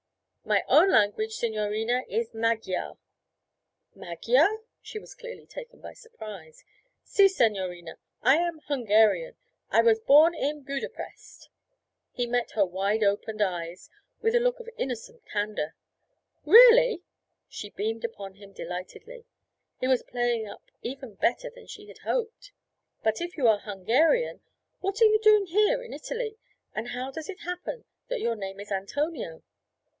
'My own language, signorina, is Magyar.' 'Magyar?' She was clearly taken by surprise. 'Si, signorina, I am Hungarian; I was born in Budapest.' He met her wide opened eyes with a look of innocent candour. 'Really!' She beamed upon him delightedly; he was playing up even better than she had hoped. 'But if you are Hungarian, what are you doing here in Italy, and how does it happen that your name is Antonio?'